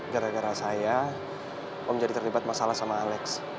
gara gara saya om jadi terlibat masalah sama alex